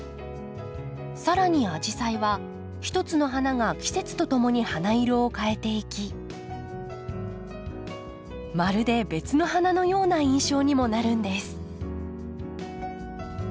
更にアジサイは一つの花が季節とともに花色を変えていきまるで別の花のような印象にもなるんです。